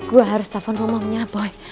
gue harus telfon ke mamanya boy